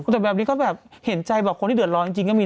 แต่แบบนี้ก็แบบเห็นใจแบบคนที่เดือดร้อนจริงก็มี